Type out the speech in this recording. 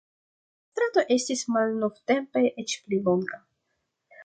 La strato estis malnovtempe eĉ pli longa.